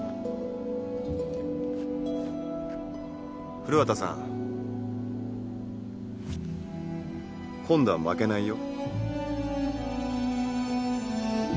古畑さん。今度は負けないよ。